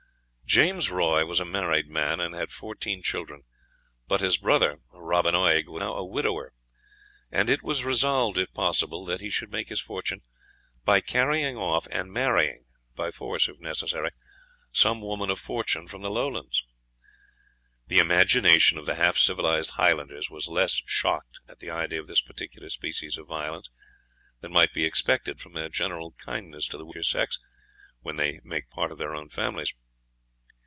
James Roy was a married man, and had fourteen children. But his brother, Robin Oig, was now a widower; and it was resolved, if possible, that he should make his fortune by carrying off and marrying, by force if necessary, some woman of fortune from the Lowlands. The imagination of the half civilised Highlanders was less shocked at the idea of this particular species of violence, than might be expected from their general kindness to the weaker sex when they make part of their own families.